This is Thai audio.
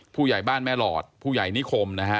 ผู้ใหญ่บ้านแม่หลอดผู้ใหญ่นิคมนะฮะ